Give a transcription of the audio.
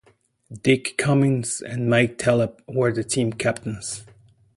Dick Cummings and Mike Telep were the team captains.